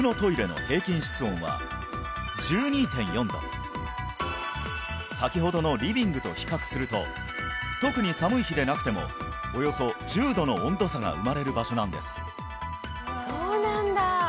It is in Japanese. やっぱり先ほどのリビングと比較すると特に寒い日でなくてもが生まれる場所なんですそうなんだ